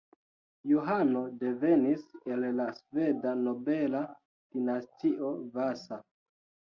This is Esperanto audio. Johano devenis el la sveda nobela dinastio Vasa.